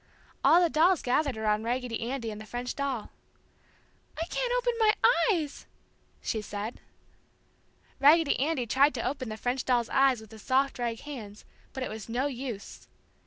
All the dolls gathered around Raggedy Andy and the French doll. "I can't open my eyes!" she said. Raggedy Andy tried to open the French doll's eyes with his soft rag hands, but it was no use.